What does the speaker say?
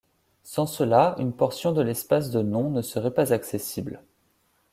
Sans cela, une portion de l’espace de noms ne serait pas accessible.